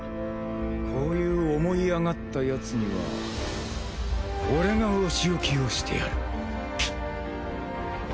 こういう思いあがったヤツには俺がお仕置きをしてやる。